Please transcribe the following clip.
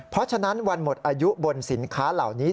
เพราะฉะนั้นวันหมดอายุบนสินค้าเหล่านี้